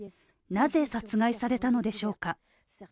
なぜ殺害されたのでしょうか。